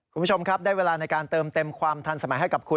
คุณผู้ชมครับได้เวลาในการเติมเต็มความทันสมัยให้กับคุณ